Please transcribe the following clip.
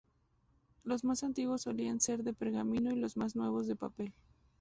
Los más antiguos solían ser de pergamino y los más nuevos de papel.